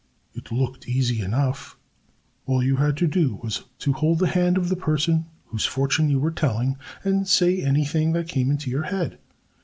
It looked easy enough. All you had to do was to hold the hand of the person whose fortune you were telling and say anything that came into your head.